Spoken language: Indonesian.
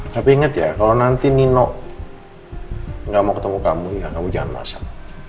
tapi ingat ya kalau nanti nino nggak mau ketemu kamu ya kamu jangan masak